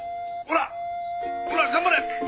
ほらほら頑張れ！